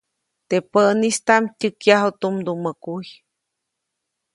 Teʼ päʼnistaʼm tyäkyaju tumdumä kuy.